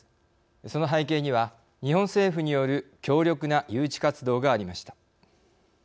その背景には日本政府による強力な誘致活動がありました。